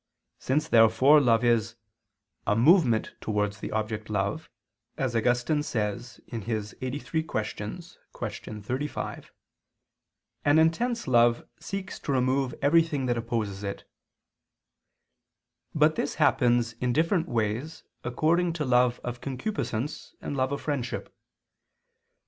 Since therefore love is "a movement towards the object loved," as Augustine says (QQ. 83, qu. 35), an intense love seeks to remove everything that opposes it. But this happens in different ways according to love of concupiscence, and love of friendship.